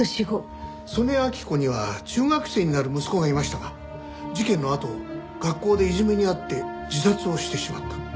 曽根明子には中学生になる息子がいましたが事件のあと学校でいじめに遭って自殺をしてしまった。